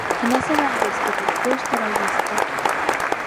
話せないんですけどどうしたらいいですか